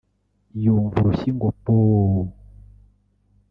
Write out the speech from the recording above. yumva urushyi ngo pooo